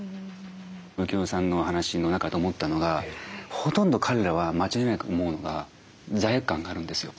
浮世さんの話の中で思ったのがほとんど彼らは間違いなく思うのが罪悪感があるんですよ。